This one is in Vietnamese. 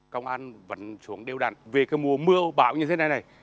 công an vẫn xuống đều đàn về cái mùa mưa bão như thế này này